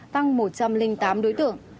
tăng một trăm linh tám đối tượng